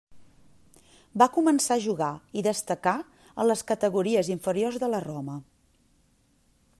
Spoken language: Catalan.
Va començar a jugar i destacar en les categories inferiors de la Roma.